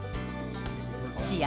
試合